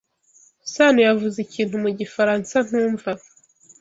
Sano yavuze ikintu mu gifaransa ntumva.